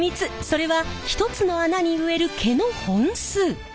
それは１つの穴に植える毛の本数。